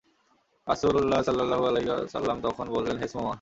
রাসূলুল্লাহ সাল্লাল্লাহু আলাইহি ওয়াসাল্লাম তখন বললেন, হে সুমামা!